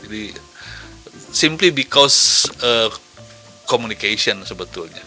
jadi simply because communication sebetulnya